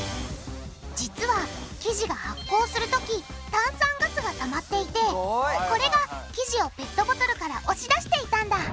実は生地が発酵するとき炭酸ガスがたまっていてこれが生地をペットボトルから押し出していたんだ